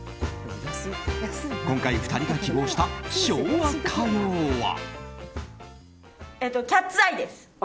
今回、２人が希望した昭和歌謡は。